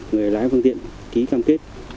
người lái phương tiện ký cam kết